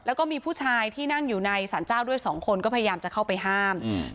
แล้วก็มีผู้ชายที่นั่งอยู่ในสารเจ้าด้วยสองคนก็พยายามจะเข้าไปห้ามอืม